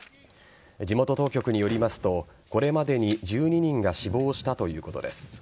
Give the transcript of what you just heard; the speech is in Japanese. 地元当局によりますとこれまでに１２人が死亡したということです。